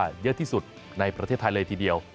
เยอะที่สุดในประเทศไทยเลยทีเดียว